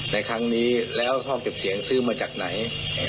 ในครั้งนี้แล้วห้องเก็บเสียงซื้อมาจากไหน